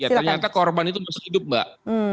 ternyata korban itu masih hidup mbak